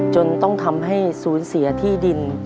จนต้องทำให้ศูนย์เสียที่ดิน